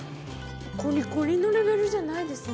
コリコリのレベルじゃないですね。